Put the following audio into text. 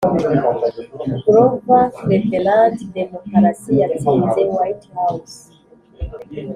grover cleveland: demokarasi yatsinze white house